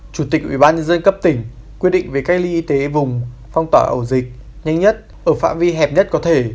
chủ tịch ubnd cấp tỉnh quyết định về cách ly y tế vùng phong tỏa ổ dịch nhanh nhất ở phạm vi hẹp nhất có thể